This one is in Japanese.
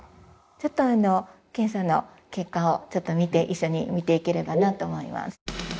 ちょっとあの検査の結果を一緒に見ていければなと思います